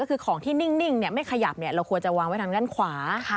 ก็คือของที่นิ่งไม่ขยับเราควรจะวางไว้ทางด้านขวา